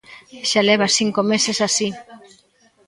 Xa leva cinco meses así.